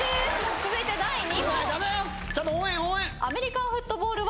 続いて第３問。